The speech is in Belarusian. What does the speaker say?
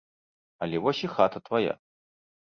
Але вось і хата твая.